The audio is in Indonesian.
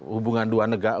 hubungan dua negara